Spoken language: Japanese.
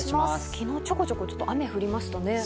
昨日、ちょこちょこ雨が降りましたね。